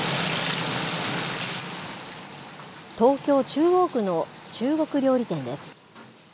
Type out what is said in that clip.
東京、中央区の中国料理店です。